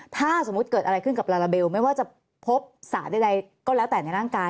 ถ้าสมมุติเกิดอะไรขึ้นกับลาลาเบลไม่ว่าจะพบสารใดก็แล้วแต่ในร่างกาย